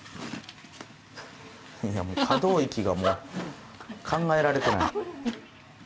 いや可動域がもう考えられてない。